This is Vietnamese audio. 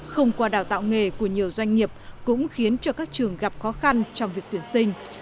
không qua đào tạo nghề của nhiều doanh nghiệp cũng khiến cho các trường gặp khó khăn trong việc tuyển sinh